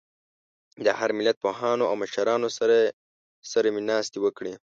د هر ملت پوهانو او مشرانو سره مې ناستې وکړې.